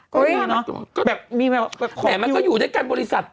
ก็มีเนอะแบบมีแม่แบบขอคิวแม่มันก็อยู่ด้วยกันบริษัท